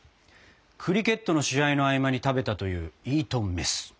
クリケットの試合の合間に食べたというイートンメス。